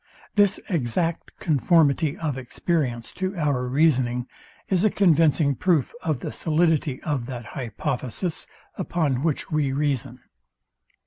This exact conformity of experience to our reasoning is a convincing proof of the solidity of that hypothesis, upon which we reason.